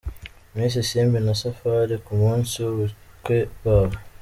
Miss Isimbi na Safari ku munsi w'ubukwe bwabo.